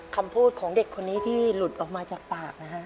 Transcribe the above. คำพูดของเด็กคนนี้ที่หลุดออกมาจากปากนะฮะ